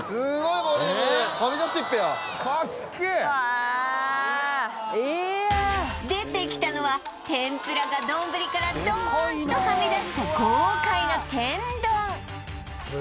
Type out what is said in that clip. いや出てきたのは天ぷらが丼からドーンとはみ出した豪快な天丼